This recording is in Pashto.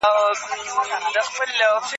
چا په هېواد کي نظامي برخورد او کودتا وکړه؟